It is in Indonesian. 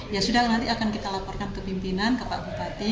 ya sudah nanti akan kita laporkan ke pimpinan ke pak bupati